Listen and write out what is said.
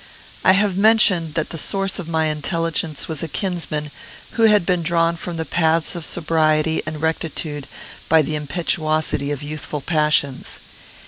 I have mentioned that the source of my intelligence was a kinsman, who had been drawn from the paths of sobriety and rectitude by the impetuosity of youthful passions.